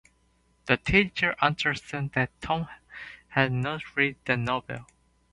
The teacher understood that Tom had not read that novel.